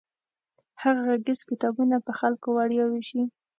هغه غږیز کتابونه په خلکو وړیا ویشي.